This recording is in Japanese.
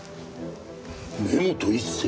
根本一成？